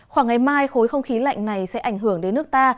khoảng ngày mai khối không khí lạnh này sẽ ảnh hưởng đến nước ta